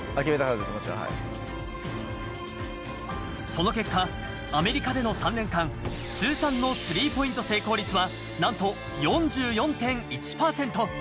その結果、アメリカでの３年間、通算のスリーポイント成功率はなんと４４．１％。